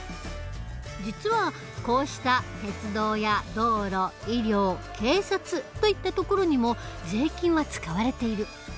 実はこうした鉄道や道路医療警察といったところにも税金は使われている。